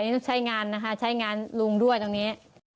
นี่ต้องใช้งานนะคะใช้งานลุงด้วยตรงนี้